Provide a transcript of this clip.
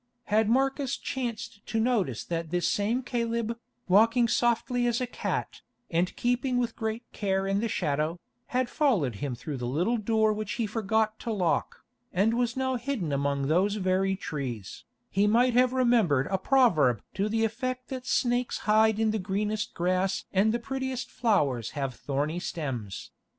Had Marcus chanced to notice that this same Caleb, walking softly as a cat, and keeping with great care in the shadow, had followed him through the little door which he forgot to lock, and was now hidden among those very trees, he might have remembered a proverb to the effect that snakes hide in the greenest grass and the prettiest flowers have thorny stems.